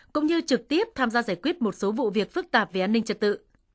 cũng như trực tiếp tham gia giải quyết một số vụ việc phức tạp về an ninh trật tự